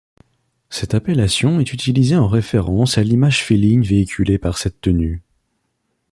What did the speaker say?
Cette appellation est utilisée en référence à l'image féline véhiculée par cette tenue.